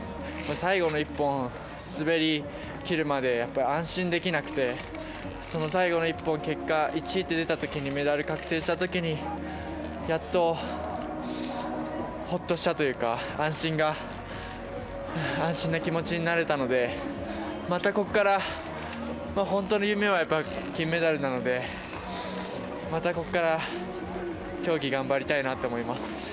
最後の一本、滑りきるまで、やっぱ安心できなくて、その最後の１本、結果、１位と出たときに、メダル確定したときに、やっとほっとしたというか、安心が、安心な気持ちになれたので、またここから、本当の夢はやっぱり金メダルなので、またこっから競技頑張りたいなって思います。